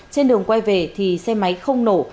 trên đường quay về thì xe máy không nổ